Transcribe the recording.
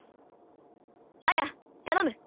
亜耶頼む。